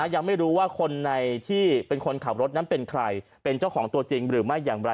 ยังไม่รู้ว่าคนในที่เป็นคนขับรถนั้นเป็นใครเป็นเจ้าของตัวจริงหรือไม่อย่างไร